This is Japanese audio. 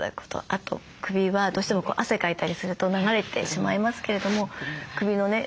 あと首はどうしても汗かいたりすると流れてしまいますけれども首のね